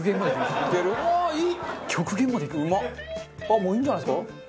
もういいんじゃないですか？